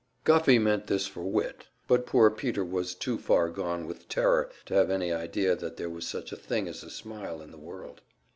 Guffey meant this for wit, but poor Peter was too far gone with terror to have any idea that there was such a thing as a smile in the world.